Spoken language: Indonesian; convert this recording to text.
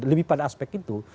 lebih pada aspek itu